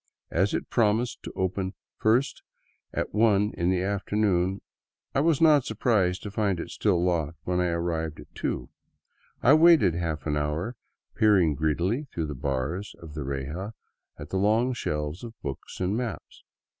As it promised to open first at one of the afternoon, I was not surprised to find it still locked when I arrived at two. I waited a half hour, peering greedily through the bars of the reja at the long shelves of books and maps.